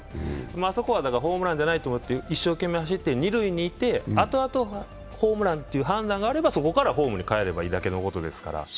あそこはホームランじゃないと思って一生懸命走って二塁へ行ってあとあとホームランという判断があれば、そこからホームに帰ればいいだけのことですから。